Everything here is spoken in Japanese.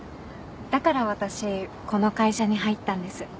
だから私この会社に入ったんです。